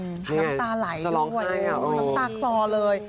น้ำตาไหลด้วยน้ำตาคลอเลย